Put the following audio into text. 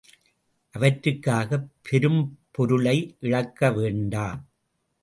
அவற்றுக்காகப் பெரும்பொருளை இழக்கவேண்டா.